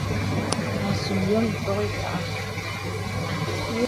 Asùm yòm ìpɔk ìtàgà.